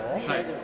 はい。